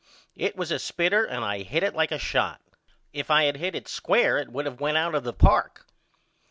It was a spitter and I hit it like a shot. If I had hit it square it would of went out of the park.